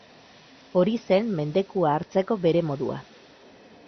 Hori zen mendekua hartzeko bere modua.